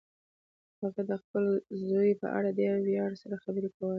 هغې د خپل زوی په اړه په ډېر ویاړ سره خبرې کولې